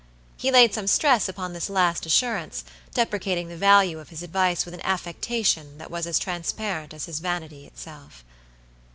He laid some stress upon this last assurance, deprecating the value of his advice with an affectation that was as transparent as his vanity itself.